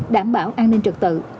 đảm bảo an ninh trực tự